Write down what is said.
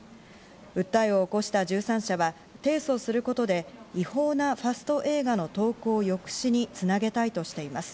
訴えを起こした１３社は提訴することで違法なファスト映画の投稿抑止につなげたいとしています。